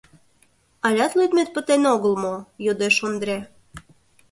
— Алят лӱдмет пытен огыл мо? — йодеш Ондре.